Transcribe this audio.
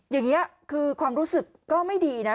อย่างนี้คือความรู้สึกก็ไม่ดีนะ